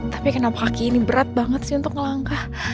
tapi kenapa kaki ini berat banget sih untuk ngelangkah